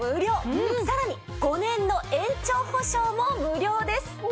さらに５年の延長保証も無料です！